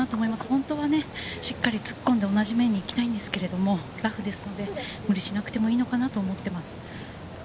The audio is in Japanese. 本当はしっかり突っ込んで同じ面に行きたいんですけれど、ラフですので無理しなくてもいいのかなと思っています。